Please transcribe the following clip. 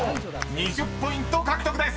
２０ポイント獲得です！］